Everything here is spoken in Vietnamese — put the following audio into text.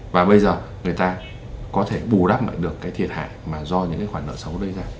và bây giờ người ta có thể bù đắp lại được cái thiệt hại mà do những cái khoản nợ xấu đây